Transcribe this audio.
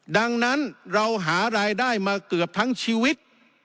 ดังนั้นเราหารายได้มาเกือบทั้งชีวิต